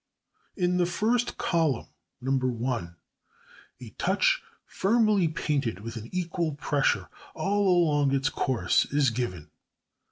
In the first column (No. 1), a touch firmly painted with an equal pressure all along its course is given.